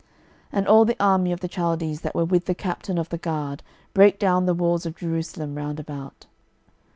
12:025:010 And all the army of the Chaldees, that were with the captain of the guard, brake down the walls of Jerusalem round about.